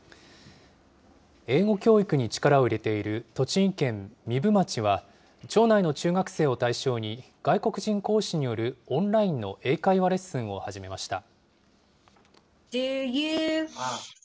英語教育に力を入れている栃木県壬生町は、町内の中学生を対象に、外国人講師によるオンラインの英会話レッスンを始めました。